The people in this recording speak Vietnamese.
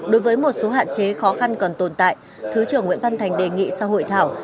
đối với một số hạn chế khó khăn còn tồn tại thứ trưởng nguyễn văn thành đề nghị sau hội thảo